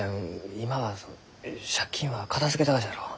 今は借金は片づけたがじゃろう？